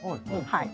はい。